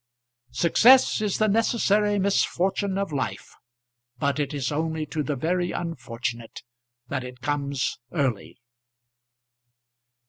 Success is the necessary misfortune of life, but it is only to the very unfortunate that it comes early.